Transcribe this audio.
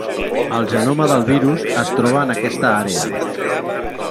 El genoma del virus es troba en aquesta àrea.